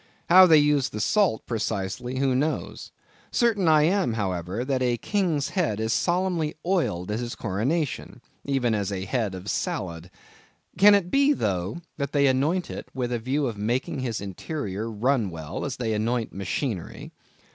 How they use the salt, precisely—who knows? Certain I am, however, that a king's head is solemnly oiled at his coronation, even as a head of salad. Can it be, though, that they anoint it with a view of making its interior run well, as they anoint machinery?